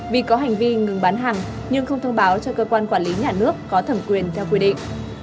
vì có hành vi ngừng bán hàng nhưng không thông báo cho cơ quan quản lý nhà nước có thẩm quyền theo quy định